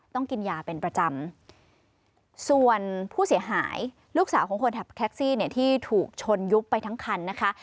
ต้องกินยาเป็นประจำส่วนผู้เสียหายลูกสาวของคนขับแท็กซี่เนี่ยที่ถูกชนยุบไปทั้งคันนะคะ